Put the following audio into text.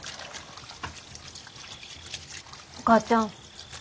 お母ちゃん。